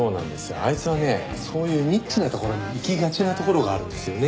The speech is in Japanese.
あいつはねそういうニッチなところにいきがちなところがあるんですよね。